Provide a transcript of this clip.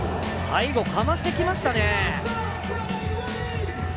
最後かましてきましたね